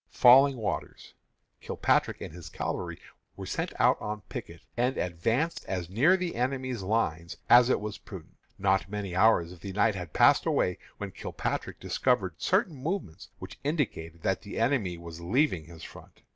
FALLING WATERS. Kilpatrick and his cavalry were sent out on picket, and advanced as near the enemy's lines as it was prudent. Not many hours of the night had passed away when Kilpatrick discovered certain movements which indicated that the enemy was leaving his front.